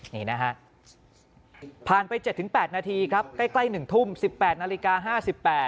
นี่นะฮะผ่านไป๗๘นาทีครับใกล้๑ทุ่ม๑๘นาฬิกา๕๘